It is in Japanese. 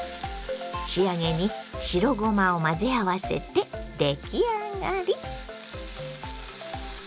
仕上げに白ごまを混ぜ合わせて出来上がり。